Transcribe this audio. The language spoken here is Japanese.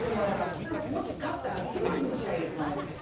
それでもし勝ったら次の日も試合入れてもらえるんですよ